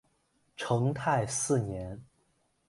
成泰四年。